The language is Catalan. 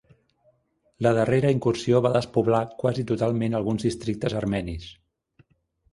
La darrera incursió va despoblar quasi totalment alguns districtes armenis.